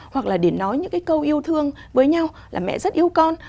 hoặc là để nói những cái câu yêu thương với nhau là mẹ rất yêu con